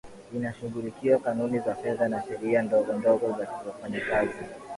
inashughulikia kanuni za fedha na sheria ndogo ndogo za wafanyakazi